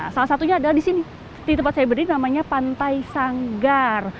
salah satunya adalah di sini di tempat saya berdiri namanya pantai sanggar